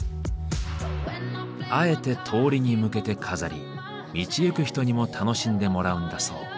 あえて通りに向けて飾り道行く人にも楽しんでもらうんだそう。